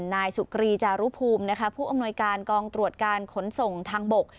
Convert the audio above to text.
นายสุกรีจารุภูมินะคะผู้อำนวยการกองตรวจการขนส่งทางบก